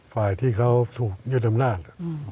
ฝ่ายที่เขาถูกยืดธรรมดาล